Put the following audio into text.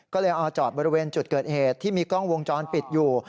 ก็เลยเอาจอดบริเวณจุดเกิดเหตุที่มีกล้องวงจรปิดอยู่